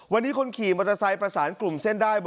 วันนี้คนขี่มอเตอร์ไซค์ประสานกลุ่มเส้นได้